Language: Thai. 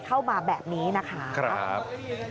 เข้ามาแบบนี้นะคะครับ